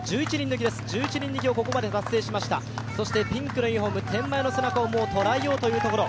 １１人抜きをここまで達成しました、ピンクのユニフォーム天満屋の姿をもうとらえようというところ。